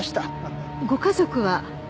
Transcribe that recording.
ご家族は？